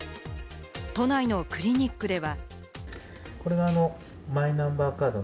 都内のクリニックでは。